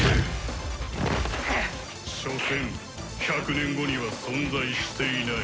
しょせん１００年後には存在していない。